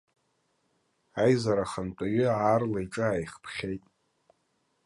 Аизара ахантәаҩы аарла иҿы ааихԥхьеит.